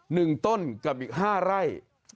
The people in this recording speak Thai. หนึ่งต้นกับอีกห้าไร่